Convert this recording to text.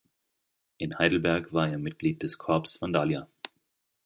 In Heidelberg war er Mitglied des Corps Vandalia.